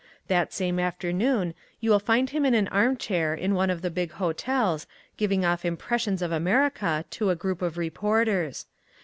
That same afternoon you will find him in an armchair in one of the big hotels giving off impressions of America to a group of reporters.